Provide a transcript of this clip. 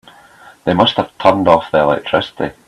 They must have turned off the electricity.